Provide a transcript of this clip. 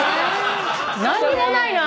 何にもないな。